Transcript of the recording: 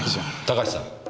高橋さん。